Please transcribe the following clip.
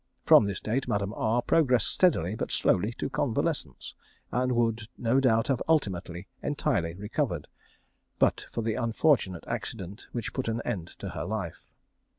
From this date Madame R progressed steadily but slowly to convalescence, and would no doubt have ultimately entirely recovered, but for the unfortunate accident which put an end to her life.